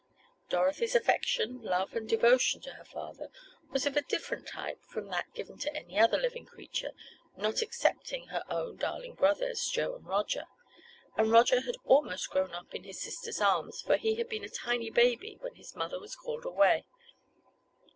Dorothy's affection, love and devotion to her father was of a different type from that given to any other living creature, not excepting her own darling brothers, Joe and Roger, and Roger had almost grown up in his sister's arms, for he had been a tiny baby when his mother was called away.